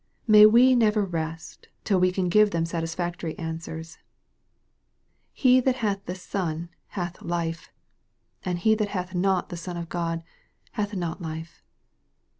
May we never rest till we can give them satisfactory answers !" He that hath the Son hath life, and he that hath not the Son of G od hath not life."